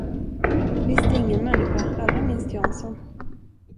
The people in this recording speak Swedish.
Det visste ingen människa, allra minst Jansson.